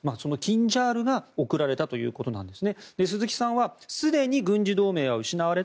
そのキンジャールが贈られたということなんです。